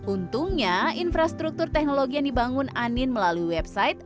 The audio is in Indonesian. untungnya infrastruktur teknologi yang dibangun anin melalui website